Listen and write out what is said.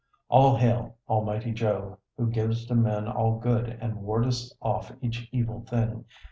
All hail, Almighty Jove! who givest to men All good, and wardest off each evil thing.